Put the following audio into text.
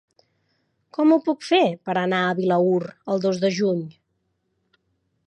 Com ho puc fer per anar a Vilaür el dos de juny?